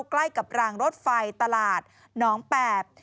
ใกล้กับรางรถไฟตลาดน้องแปบ